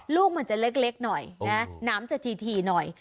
ลูกมันจะเล็กหน่อยนะน้ำจะถี่หน่อย